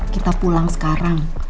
kita pulang sekarang